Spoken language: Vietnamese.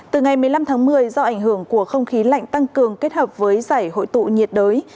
từ ngày một mươi năm tháng một mươi do ảnh hưởng của không khí lạnh tăng cường kết hợp với giải hội tụ nhiệt đới